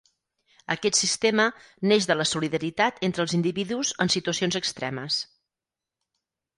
Aquest sistema neix de la solidaritat entre els individus en situacions extremes.